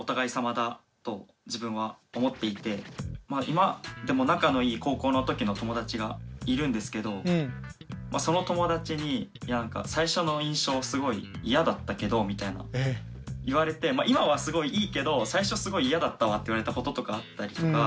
今でも仲のいい高校の時の友達がいるんですけどその友達に最初の印象すごい嫌だったけどみたいに言われて今はすごいいいけど最初すごい嫌だったわって言われたこととかあったりとか。